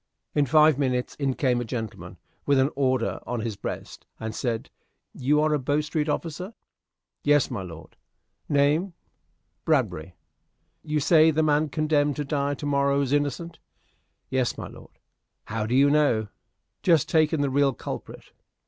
In five minutes in came a gentleman, with an order on his breast, and said, "You are a Bow Street officer?" "Yes, my lord." "Name?" "Bradbury." "You say the man condemned to die to morrow is innocent?" "Yes, my lord." "How do you know?" "Just taken the real culprit."